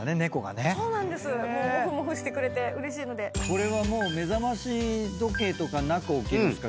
これは目覚まし時計とかなく起きるんですか？